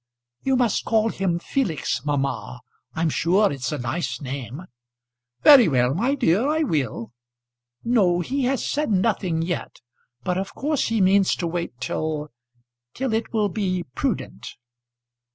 "You must call him Felix, mamma. I'm sure it's a nice name." "Very well, my dear, I will." "No; he has said nothing yet. But of course he means to wait till, till it will be prudent."